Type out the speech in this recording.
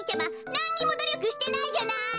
なんにもどりょくしてないじゃない。